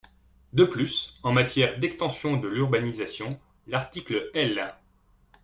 De plus, en matière d’extension de l’urbanisation, l’article L.